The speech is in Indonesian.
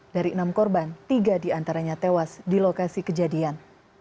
dari enam korban tiga diantaranya tewas di lokasi kejadian